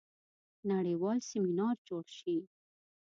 نړیوال سیمینار جوړ شي.